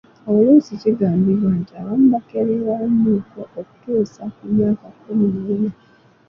Oluusi kigambibwa nti abamu bakerewamuuko okutuusa ku myaka kumi n'ena.